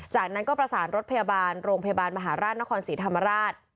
จากนั้นก็ประสานรถพยาบาลโรงพยาบาลมหาราชนครศรีธรรมราช